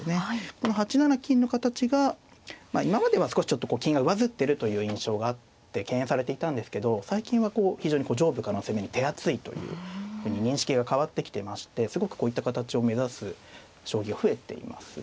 この８七金の形が今までは少しちょっと金が上ずってるという印象があって敬遠されていたんですけど最近はこう非常に上部からの攻めに手厚いというふうに認識が変わってきていましてすごくこういった形を目指す将棋は増えていますね。